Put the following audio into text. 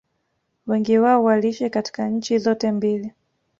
Wengi wao waliishi katika nchi zote mbili